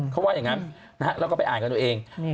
เขาว่าอย่างนั้นแล้วก็ไปอ่านกันเอาเอง